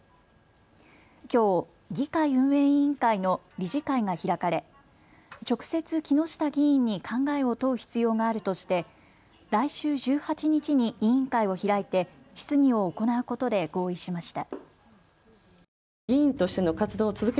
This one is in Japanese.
きょう議会運営委員会の理事会が開かれ直接、木下議員に考えを問う必要があるとして来週１８日に委員会を開いて質疑を行うことで合意しました。